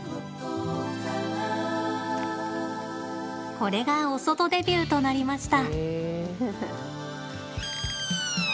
これがお外デビューとなりました。